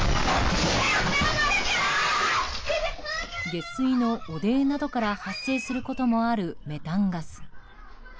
下水の汚泥などから発生することもあるメタンガス。